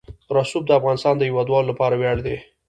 رسوب د افغانستان د هیوادوالو لپاره ویاړ دی.